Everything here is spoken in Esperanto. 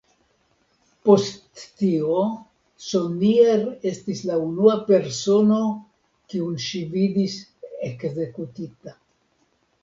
Post tio Sonnier estis la unua persono kiun ŝi vidis ekzekutita.